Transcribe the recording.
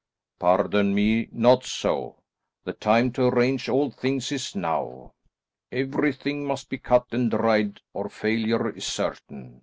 "Pardon me, not so. The time to arrange all things is now. Everything must be cut and dried, or failure is certain.